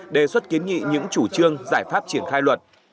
đề xuất kiến nghị những chủ trương giải pháp triển khai luật